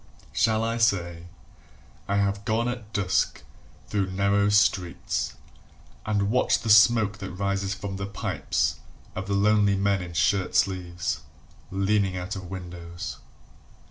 ..... Shall I say, I have gone at dusk through narrow streets And watched the smoke that rises from the pipes Of lonely men in shirt sleeves, leaning out of windows?